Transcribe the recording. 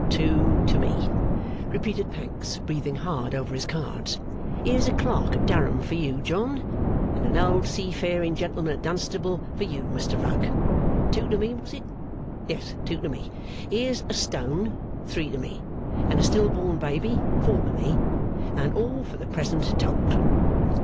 Two to me,' repeated Pancks, breathing hard over his cards. 'Here's a Clerk at Durham for you, John, and an old seafaring gentleman at Dunstable for you, Mr Rugg. Two to me, was it? Yes, two to me. Here's a Stone; three to me. And a Still born Baby; four to me. And all, for the present, told.